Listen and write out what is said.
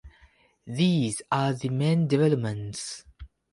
These are the main developments.